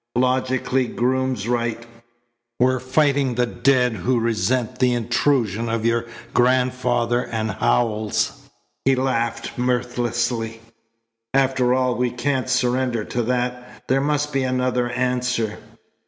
Logically Groom's right. We're fighting the dead who resent the intrusion of your grandfather and Howells." He laughed mirthlessly. "After all, we can't surrender to that. There must be another answer."